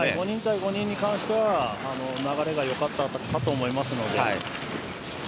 ５人対５人に関しては流れがよかったかと思います。